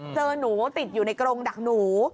เจอหนูติดอยู่ในกรงดักหนู